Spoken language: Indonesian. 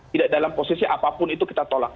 tidak dalam posisi apapun itu kita tolak